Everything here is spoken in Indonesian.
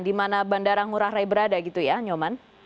di mana bandara ngurah rai berada gitu ya nyoman